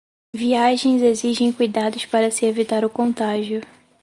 Viagens exigem cuidados para se evitar o contágio